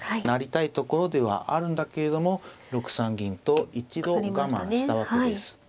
成りたいところではあるんだけれども６三銀と一度我慢したわけです。